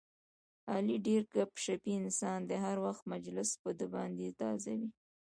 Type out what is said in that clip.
علي ډېر ګپ شپي انسان دی، هر وخت مجلس په ده باندې تازه وي.